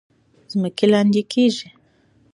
ځمکې لاندې کیږي.